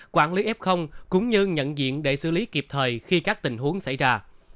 quản lý f cũng như nhận diện để xử lý kịp thời khi các tình huống xảy ra